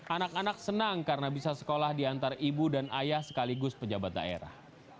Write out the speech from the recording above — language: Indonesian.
anak anak senang karena bisa sekolah di antar ibu dan ayah sekaligus pejabat daerah